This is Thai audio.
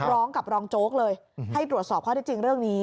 ร้องกับรองโจ๊กเลยให้ตรวจสอบข้อได้จริงเรื่องนี้